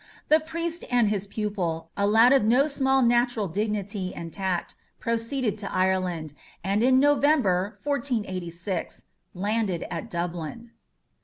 The priest and his pupil, a lad of no small natural dignity and tact, proceeded to Ireland, and in November, 1486, landed at Dublin.